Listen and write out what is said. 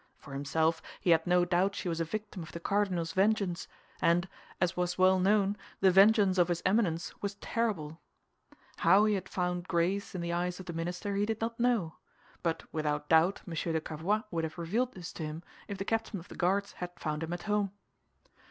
For himself, he had no doubt she was a victim of the cardinal's vengeance; and, as was well known, the vengeance of his Eminence was terrible. How he had found grace in the eyes of the minister, he did not know; but without doubt M. de Cavois would have revealed this to him if the captain of the Guards had found him at home.